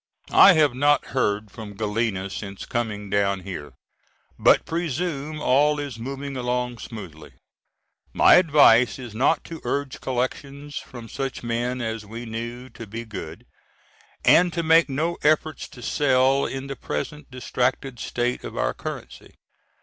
I have not heard from Galena since coming down here, but presume all is moving along smoothly. My advice was not to urge collections from such men as we knew to be good, and to make no efforts to sell in the present distracted state of our currency.